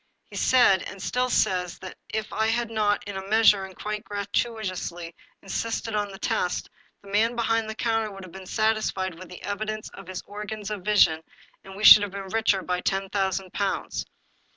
He said, and still says, that if I had not, in a measure, and quite gratuitously, insisted on a test, the man behind the counter would have been satisfied with the evidence of his organs of vision, and we should have been richer by ten thousand pounds.